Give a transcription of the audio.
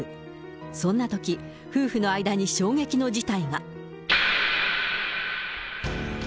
そんなとき、夫婦の間に衝撃の事態が。